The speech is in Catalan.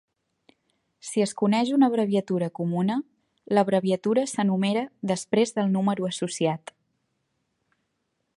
Si es coneix una abreviatura comuna, l'abreviatura s'enumera després del número associat.